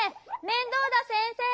面倒田先生！